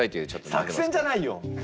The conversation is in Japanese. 作戦じゃないよ。